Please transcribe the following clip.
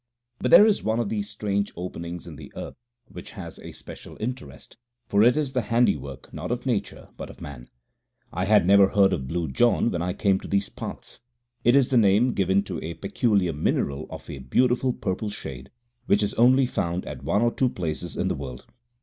But there is one of these strange openings in the earth which has a special interest, for it is the handiwork, not of nature, but of man. I had never heard of Blue John when I came to these parts. It is the name given to a peculiar mineral of a beautiful purple shade, which is only found at one or two places in the world.